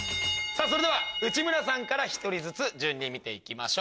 内村さんから１人ずつ順に見て行きましょう。